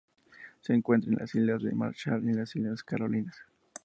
Se encuentra en las Islas Marshall y en las Islas Carolinas.